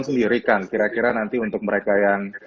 sendiri kan kira kira nanti untuk mereka yang